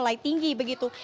mulai tinggi begitu